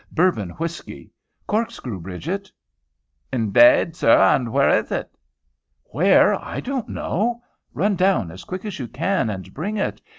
"Bourbon whiskey." "Corkscrew, Bridget." "Indade, sir, and where is it?" "Where? I don't know. Run down as quick as you can, and bring it.